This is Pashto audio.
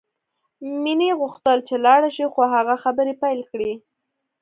مینه غوښتل چې لاړه شي خو هغه خبرې پیل کړې